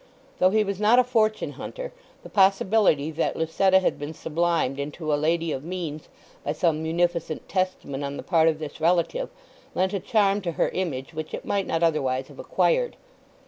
Though he was not a fortune hunter, the possibility that Lucetta had been sublimed into a lady of means by some munificent testament on the part of this relative lent a charm to her image which it might not otherwise have acquired.